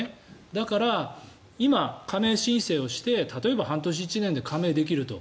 だから今、加盟申請をして例えば半年、１年で加盟できると。